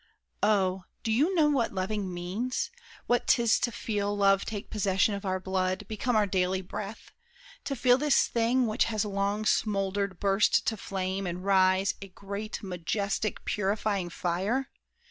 Oh, do you know what loving means? What 'tis To feel love take possession of our blood, Become our daily breath? To feel this thing Which long has smoldered burst to flame, and rise A great, majestic, purifying fire?